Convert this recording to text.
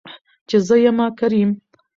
چې زه يمه کريم .